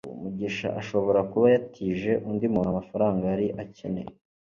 mugisha ashobora kuba yatije undi muntu amafaranga yari akeneye